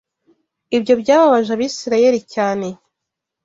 Ibyo byababaje Abisirayeli cyane